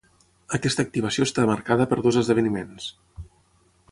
Aquesta activació està marcada per dos esdeveniments.